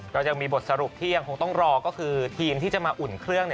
ก็ยังมีบทสรุปที่ยังคงต้องรอก็คือทีมที่จะมาอุ่นเครื่อง